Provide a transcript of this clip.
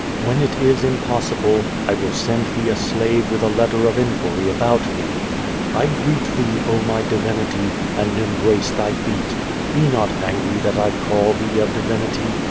When it is impossible, 1 will send thee a slave with a letter of inquiry about thee. I greet thee, oh my divinity, and embrace thy feet. Be not angry that I call thee a divinity.